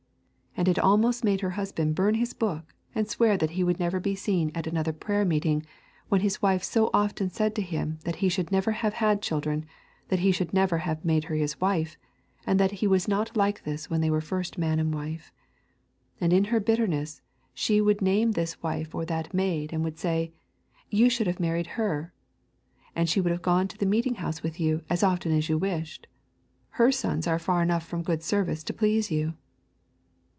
And it almost made her husband burn his book and swear that he would never be seen at another prayer meeting when his wife so often said to him that he should never have had children, that he should never have made her his wife, and that he was not like this when they were first man and wife. And in her bitterness she would name this wife or that maid, and would say, You should have married her. She would have gone to the meeting house with you as often as you wished. Her sons are far enough from good service to please you.